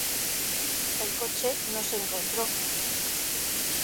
El coche no se encontró.